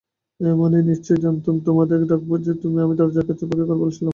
এমনি নিশ্চয় জানতুম তুমি ডাকবে যে, আমি দরজার কাছে অপেক্ষা করে বসেছিলুম।